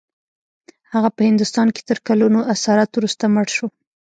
هغه په هندوستان کې تر کلونو اسارت وروسته مړ شو.